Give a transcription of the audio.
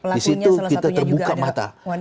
di situ kita terbuka mata